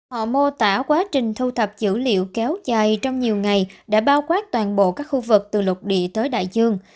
họ mô tả quá trình thu thập dữ liệu kéo dài trong nhiều ngày đã bao quát toàn bộ các khu vực từ lục địa tới đại dương